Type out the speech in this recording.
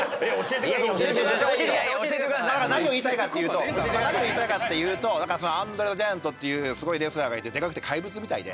だから何を言いたいかっていうと何を言いたいかっていうとアンドレ・ザ・ジャイアントっていうすごいレスラーがいてでかくて怪物みたいで。